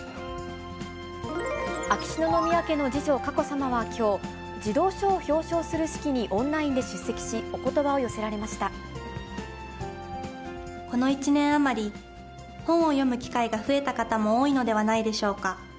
秋篠宮家の次女、佳子さまはきょう、児童書を表彰する式にオンラインで出席し、おことばを寄せられまこの１年余り、本を読む機会が増えた方も多いのではないでしょうか。